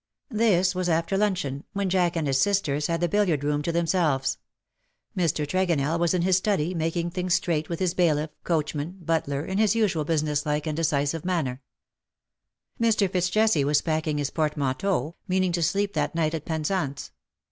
This was after luncheon, when Jack and his sisters had the billiard room to themselves. Mr. Tregonell was in his study, making things straight with his bailiff, coachman, butler, in his usual business like and decisive manner. Mr. FitzJesse was packing his portmanteau, meaning to sleep that night at Penzance.